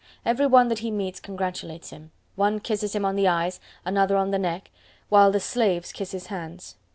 Every one that he meets congratulates him. One kisses him on the eyes, another on the neck, while the slaves kiss his hands.